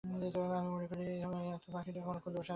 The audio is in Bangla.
আমি মনে করি না এতে পাখিটার কোনো দোষ আছে।